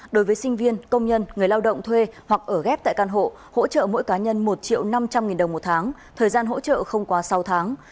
đối với sinh viên công nhân người lao động thuê hoặc ở ghép tại căn hộ hỗ trợ mỗi cá nhân một triệu năm trăm linh nghìn đồng một tháng thời gian hỗ trợ không quá sáu tháng